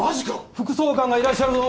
・副総監がいらっしゃるぞ！